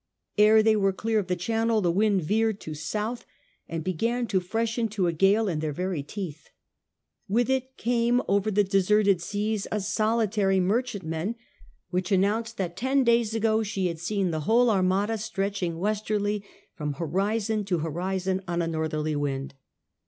Ere they were clear of the Channel the wind veered to south, and began to freshen to a gale in their very teeth. With it came over the deserted seas a solitary merchantman, which announced that ten days ago she had seen the whole Armada stretching westerly from horizon to horizon on a northerly wind.